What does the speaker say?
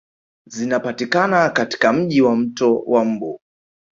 Zinapatikana katika Mji wa mto wa mbu